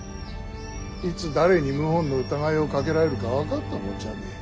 いつ誰に謀反の疑いをかけられるか分かったもんじゃねえ。